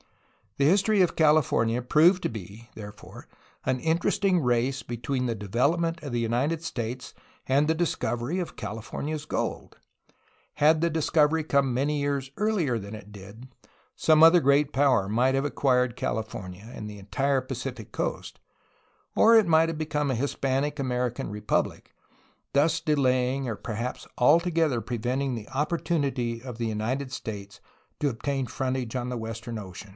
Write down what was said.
The history of California proved to be, therefore, an interesting race between the development of the United States and the discovery of California's gold. Had the discovery come many years earher than it did, some other great power might have acquired Cahfornia and the entire Pacific coast, or it might have become a Hispanic American republic, thus delaying or perhaps altogether pre venting the opportunity of the United States to obtain frontage on the western ocean.